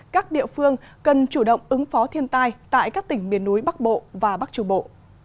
các địa phương cần chủ động ứng phó thiên tai tại các tỉnh miền núi bắc bộ và bắc trung bộ